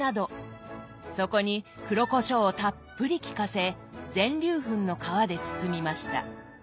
そこに黒こしょうをたっぷり効かせ全粒粉の皮で包みました。